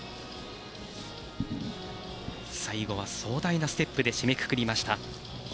最後は壮大なステップで締めくくりました。